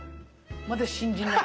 まだ信じない。